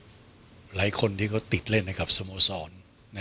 หลายคนที่เขาติดเล่นให้กับสโมสร